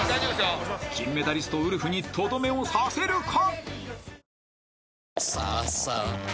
［金メダリストウルフにとどめを刺せるか？］